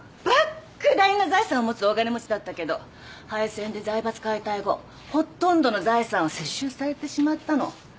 莫大な財産を持つ大金持ちだったけど敗戦で財閥解体後ほとんどの財産を接収されてしまったの。